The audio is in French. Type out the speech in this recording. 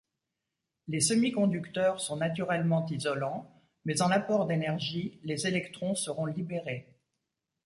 Les semi-conducteurs sont naturellement isolants, mais en l'apport d'énergie, les électrons seront libérés.